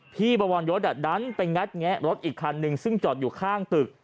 บวรยศดันไปงัดแงะรถอีกคันนึงซึ่งจอดอยู่ข้างตึก